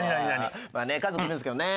まあね家族いるんですけどね。